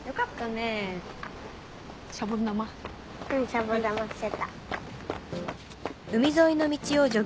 シャボン玉してた。